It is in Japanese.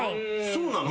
そうなの？